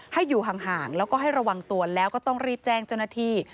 ให้อยู่ห่างแล้วก็ให้ระวังตัวแล้วก็ต้องรีบแจ้งเจ้าหน้าที่